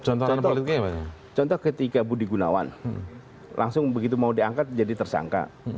contoh ketika budi gunawan langsung begitu mau diangkat jadi tersangka